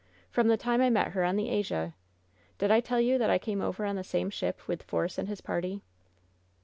From the time I met her on the Asia Did I tell you that I came over on the same ship with Force and his party?"